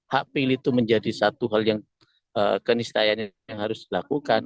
hak pilih itu menjadi satu hal yang kenistayaan yang harus dilakukan